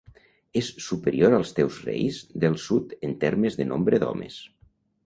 És superior als teus reis del sud en termes de nombre d'homes.